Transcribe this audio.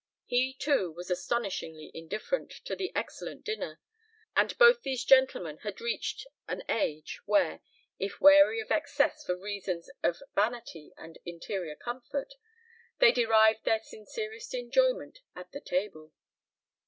He, too, was astonishingly indifferent to the excellent dinner, and both these gentlemen had reached an age, where, if wary of excess for reasons of vanity and interior comfort, they derived their sincerest enjoyment at the table.